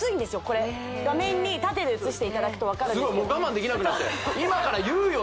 これ画面に縦で映していただくと分かるんですけどもう我慢できなくなって今から言うよ